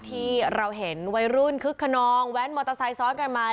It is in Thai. ที่เราเห็นวัยรุ่นคึกขนองแว้นมอเตอร์ไซค์ซ้อนกันมา